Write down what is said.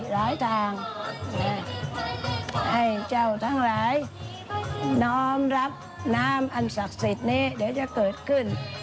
ทางให้เจ้าทั้งหลายน้อมรับน้ำอันศักดิ์สิทธิ์นี้เดี๋ยวจะเกิดขึ้น